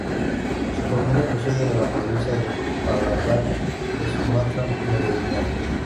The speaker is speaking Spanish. Su familia procede de la provincia de Palembang, de Sumatra Meridional.